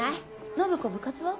信子部活は？